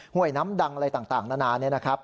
วยน้ำดังอะไรต่างนานานี่นะครับ